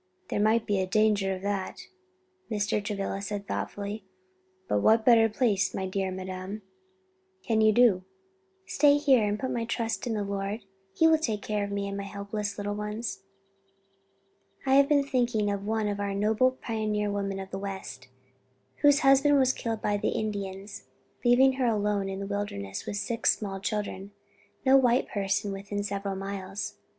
"There might be danger of that," Mr. Travilla said thoughtfully, "but what better, my dear madam, can you do?" "Stay here and put my trust in the Lord. He will take care of me and my helpless little ones. "I have been thinking of one of our noble pioneer women of the West, whose husband was killed by the Indians, leaving her alone in the wilderness with six small children, no white person within several miles.